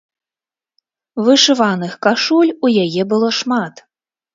Вышываных кашуль у яе было шмат.